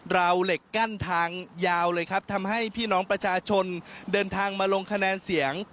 ราวเหล็กกั้นทางยาวเลยครับทำให้พี่น้องประชาชน